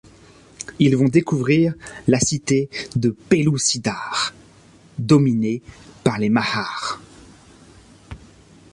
Ils vont découvrir la cite de Pellucidar, dominée par les Mahars.